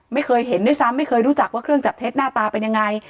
ไม่เคยเห็นด้วยซ้ำไม่เคยรู้จักว่าเครื่องจับเท็จหน้าตาเป็นยังไง